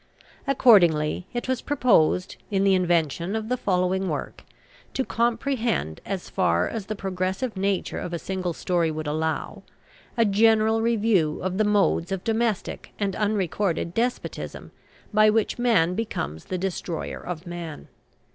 Accordingly, it was proposed, in the invention of the following work, to comprehend, as far as the progressive nature of a single story would allow, a general review of the modes of domestic and unrecorded despotism by which man becomes the destroyer of man.